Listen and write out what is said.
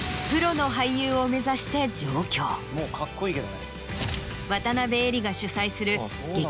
もうカッコいいけどね。